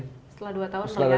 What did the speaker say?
setelah dua tahun melihat